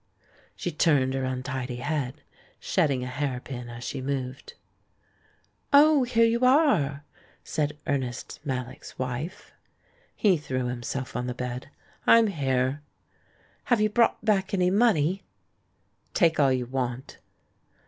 She turned her untidy head, shedding a hair pin as she moved. "Oh, here you are!" said Ernest Mallock's wife. He threw himself on the bed. "I'm here!" "Have you brought back any money?" "Take all you want."